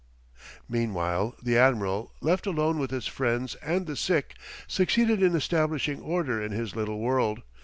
Meanwhile the admiral, left alone with his friends and the sick, succeeded in establishing order in his little world.